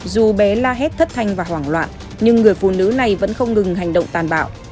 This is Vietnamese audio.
dù bé la hét thất thanh và hoảng loạn nhưng người phụ nữ này vẫn không ngừng hành động tàn bạo